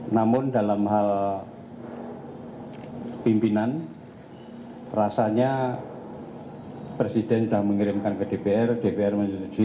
namun dalam hal pimpinan rasanya presiden sudah mengirimkan ke dpr dpr menyetujui